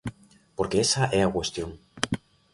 Porque esa é a cuestión.